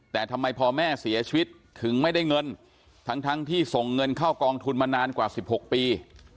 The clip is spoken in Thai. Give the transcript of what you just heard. แต่ทำไมพอแม่เสียชีวิตถึงไม่ได้เงินทั้งที่ส่งเงินเข้ากองทุนมานานกว่า๑๖ปี